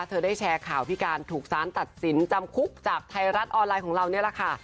เธอได้แชร์ข่าวพิการถูกสารตัดสินจำคุกจากไทยรัฐออนไลน์ของเรานี่แหละค่ะ